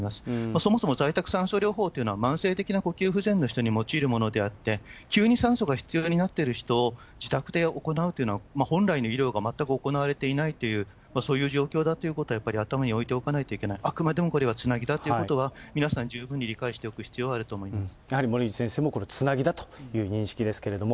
そもそも在宅酸素療法というのは慢性的な呼吸不全の人に用いるものであって、急に酸素が必要になってる人、自宅で行うというのは、本来の医療が全く行われていないという、そういう状況だということは、やっぱり頭に置いておかないといけない、あくまでもこれはつなぎだということは、皆さん、十分に理解してやはり森内先生も、これ、つなぎだという認識ですけれども。